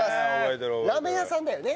ラーメン屋さんだよね？